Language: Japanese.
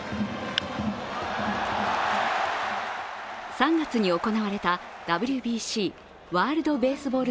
３月に行われたＷＢＣ＝ワールドベースボール